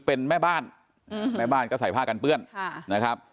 เป็นแม่บ้านแม่บ้านก็ใส่ผ้ากันเปื้อนนะครับ